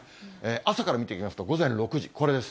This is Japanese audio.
朝から見ていきますと、午前６時、これです。